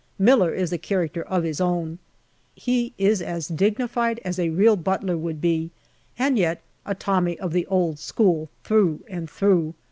Miller is a character of his own. He is as dignified as a real butler would be, and yet a Tommy of the old school, through and through.